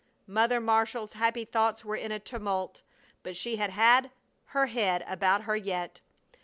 Mother Marshall's happy thoughts were in a tumult, but she had her head about her yet.